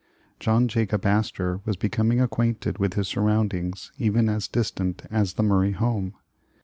John Jacob Astor was becoming acquainted with his surroundings even as distant as the Murray home.